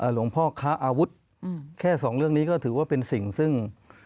หลวงพ่อค้าอาวุธแค่สองเรื่องนี้ก็ถือว่าเป็นสิ่งซึ่ง